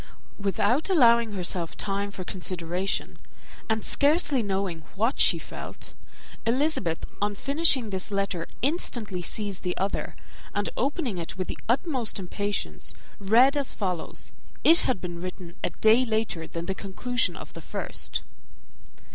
Without allowing herself time for consideration, and scarcely knowing what she felt, Elizabeth, on finishing this letter, instantly seized the other, and opening it with the utmost impatience, read as follows: it had been written a day later than the conclusion of the first.